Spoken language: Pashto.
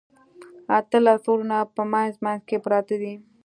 اتلس غرونه په منځ منځ کې پراته دي.